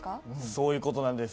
そういう事なんです。